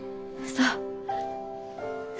そう。